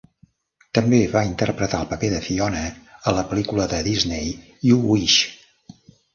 També va interpretar el paper de Fiona a la pel·lícula de Disney "You Wish!".